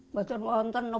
menurut mereka ini orang rare